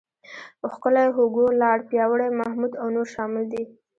ښکلی، هوګو، لاړ، پیاوړی، محمود او نور شامل دي.